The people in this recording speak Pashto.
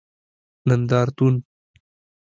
نندارتون